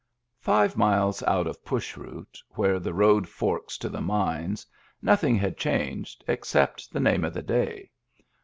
Five miles out of Push Root, where the road forks to the mines, nothing had changed, except the name of the day.